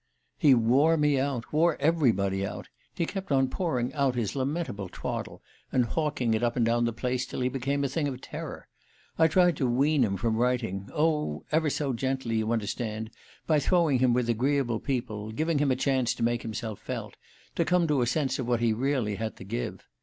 "He wore me out wore everybody out. He kept on pouring out his lamentable twaddle, and hawking it up and down the place till he became a thing of terror. I tried to wean him from writing oh, ever so gently, you understand, by throwing him with agreeable people, giving him a chance to make himself felt, to come to a sense of what he really had to give.